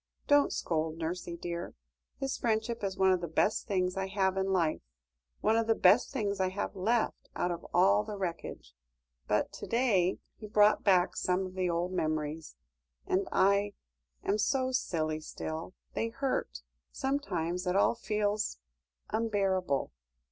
Don't scold, nursie dear; his friendship is one of the best things I have in life one of the best things I have left out of all the wreckage; but to day he brought back some of the old memories, and I am so silly still. They hurt; sometimes it all feels unbearable."